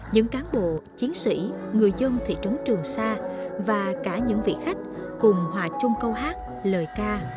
những cán bộ chiến sĩ người dân thị trấn trường sa và cả những vị khách cùng hòa chung câu hát lời ca